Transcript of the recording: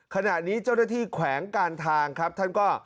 ขณะนี้เจ้าหน้าที่แขวงการทางครับท่านก็